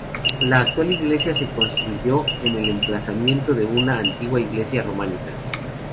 La actual iglesia se construyó en el emplazamiento de una antigua iglesia románica.